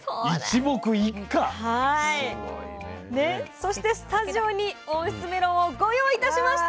そしてスタジオに温室メロンをご用意いたしました。